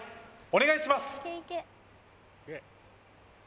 お願いします